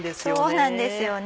そうなんですよね。